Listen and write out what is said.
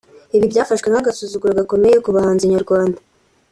Ibi byafashwe nk'agasuzuguro gakomeye ku bahanzi nyarwanda